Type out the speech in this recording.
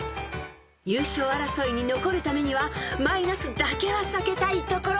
［優勝争いに残るためにはマイナスだけは避けたいところ］